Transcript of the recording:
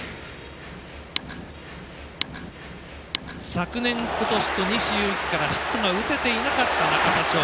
昨年、今年と西勇輝からヒットが打てていなかった中田翔。